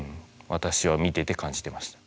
私は見てて感じてました。